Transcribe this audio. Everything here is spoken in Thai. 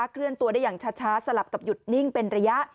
เคลื่อนตัวได้อย่างช้าสลับกับหยุดนิ่งเป็นระยะ